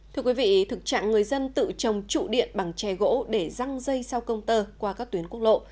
thưa quý vị thực trạng người dân tự trồng trụ điện bằng che gỗ để răng dây sau công tơ qua các tuyến quốc lộ